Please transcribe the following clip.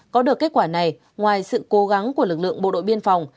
có được kết quả này ngoài sự cố gắng của lực lượng bộ đội biên phòng